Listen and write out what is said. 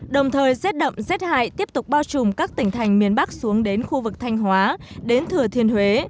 đồng thời rét đậm rét hại tiếp tục bao trùm các tỉnh thành miền bắc xuống đến khu vực thanh hóa đến thừa thiên huế